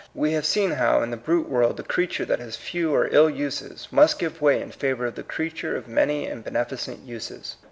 We have seen how in the brute world the creature that has few or ill uses must give way in favor of the creature of many and beneficent uses.